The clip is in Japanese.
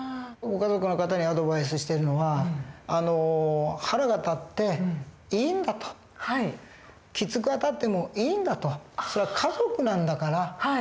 ご家族の方にアドバイスしてるのは腹が立っていいんだときつくあたってもいいんだとそれは家族なんだから。